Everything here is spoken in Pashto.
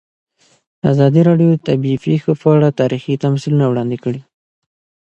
ازادي راډیو د طبیعي پېښې په اړه تاریخي تمثیلونه وړاندې کړي.